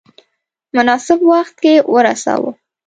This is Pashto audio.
مناسب وخت کې ورساوه.